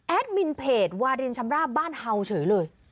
มินเพจวารินชำราบบ้านเฮาเฉยเลย